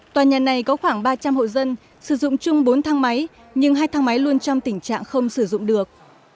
tòa nhà này có khoảng ba trăm linh hộ dân sử dụng chung bốn thang máy nhưng hai thang máy luôn trong tình trạng không sử dụng được